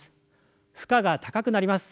負荷が高くなります。